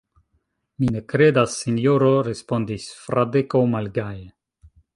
Mi ne kredas, sinjoro, respondis Fradeko malgaje.